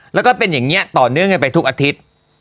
แล้วก็เป็นอย่างนี้ต่อเนื่องกันไปทุกอาทิตย์